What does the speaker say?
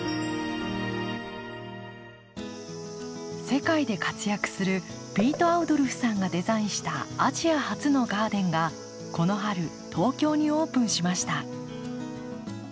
世界で活躍するピート・アウドルフさんがデザインしたアジア初のガーデンがこの春東京にオープンしました。